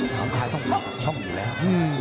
น้องคายต้องมาช่องอยู่แล้ว